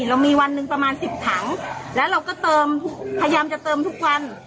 เรามีวันหนึ่งประมาณสิบถังแล้วเราก็เติมพยายามจะเติมทุกวัน